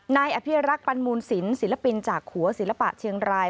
นายอภิรักษ์ปันมูลศิลปศิลปินจากหัวศิลปะเชียงราย